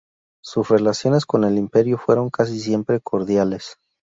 Sus relaciones con el imperio fueron casi siempre cordiales.